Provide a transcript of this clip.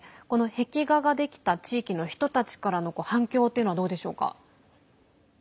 壁画ができた地域の人たちの反響というのはどうでしょうか。